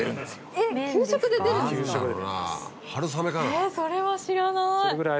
えぇそれは知らない。